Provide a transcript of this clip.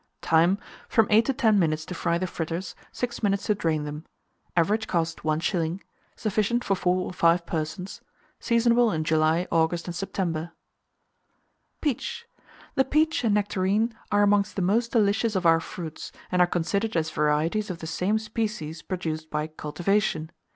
Time. From 8 to 10 minutes to fry the fritters, 6 minutes to drain them. Average cost, 1s. Sufficient for 4 or 5 persons. Seasonable in July, August, and September. [Illustration: PEACH.] PEACH. The peach and nectarine are amongst the most delicious of our fruits, and are considered as varieties of the same species produced by cultivation.